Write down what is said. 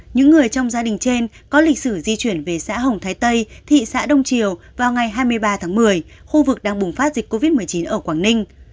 những người trong gia đình trên có lịch sử di chuyển về xã hồng thái tây thị xã đông triều vào ngày hai mươi ba tháng một mươi khu vực đang bùng phát dịch covid một mươi chín ở quảng ninh